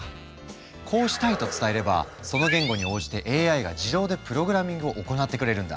こうしたいと伝えればその言語に応じてＡＩが自動でプログラミングを行ってくれるんだ。